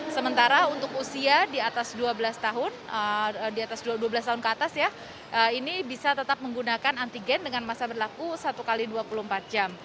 sementara untuk usia di atas dua belas tahun di atas dua belas tahun ke atas ya ini bisa tetap menggunakan antigen dengan masa berlaku satu x dua puluh empat jam